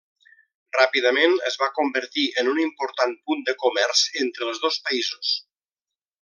Ràpidament es va convertir en un important punt de comerç entre els dos països.